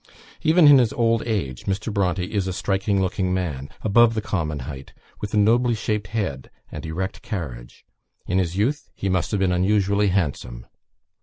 Even in his old age, Mr. Bronte is a striking looking man, above the common height, with a nobly shaped head, and erect carriage. In his youth he must have been unusually handsome.